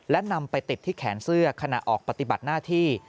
และนำไปติดที่แขนเสื้อขณะออกปฏิบัติหน้าที่